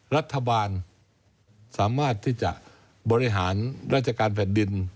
รัฐบาลสามารถที่จะบริหารราชการแผ่นดิน